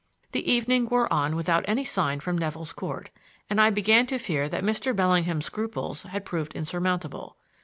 The evening wore on without any sign from Nevill's Court, and I began to fear that Mr. Bellingham's scruples had proved insurmountable.